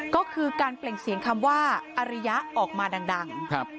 ก็คือการเปล่งเสียงคำว่าอริยะออกมาดัง